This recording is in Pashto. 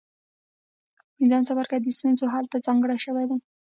پنځم څپرکی د ستونزو حل ته ځانګړی شوی دی.